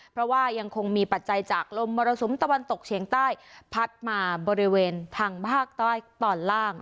เพราะว่ายังคงมีปัจจัยจากลมมรสุมตะวันตกเฉียงใต้พัดมาบริเวณทางภาคใต้ตอนล่าง